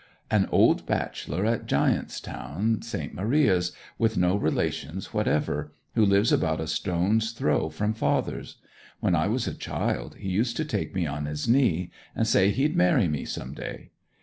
'An old bachelor at Giant's Town, St. Maria's, with no relations whatever, who lives about a stone's throw from father's. When I was a child he used to take me on his knee and say he'd marry me some day.